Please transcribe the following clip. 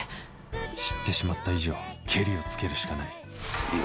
知ってしまった以上ケリをつけるしかない。